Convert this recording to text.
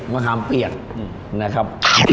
มะขามเปียกนะครับ